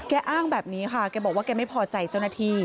อ้างแบบนี้ค่ะแกบอกว่าแกไม่พอใจเจ้าหน้าที่